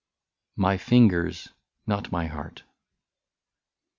52 MY FINGERS, NOT MY HEART.